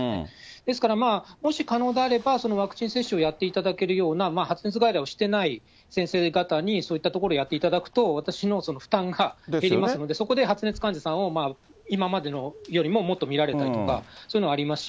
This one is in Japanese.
ですから、もし可能であれば、そのワクチン接種をやっていただけるような、発熱外来をしてない先生方に、そういったところをやっていただくと、私の負担が減りますので、そこで発熱患者さんを今までよりももっと診られたりとか、そういうのはありますし。